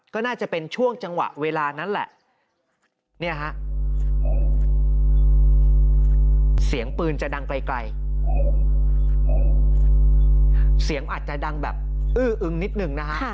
ก็น่าจะเป็นช่วงจังหวะเวลานั้นแหละเนี่ยฮะเสียงปืนจะดังไกลเสียงอาจจะดังแบบอื้ออึงนิดหนึ่งนะฮะ